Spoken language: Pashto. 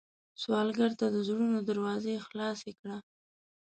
سوالګر ته د زړونو دروازې خلاصې کړه